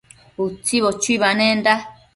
Utsibo chuibanenda